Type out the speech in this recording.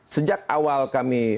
sejak awal kami